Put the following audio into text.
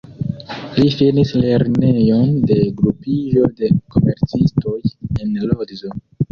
Li finis Lernejon de Grupiĝo de Komercistoj en Lodzo.